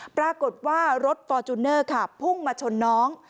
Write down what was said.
ปรากฏว่ารถฟอร์จูเนอร์ค่ะพุ่งมาชนน้อง